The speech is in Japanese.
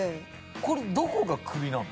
これどこが首なの？